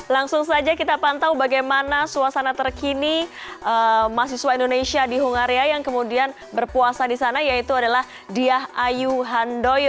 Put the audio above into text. langsung saja kita pantau bagaimana suasana terkini mahasiswa indonesia di hungaria yang kemudian berpuasa di sana yaitu adalah diah ayu handoyo